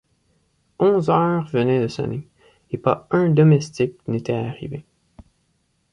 Onze heures venaient de sonner, et pas un domestique n’était arrivé.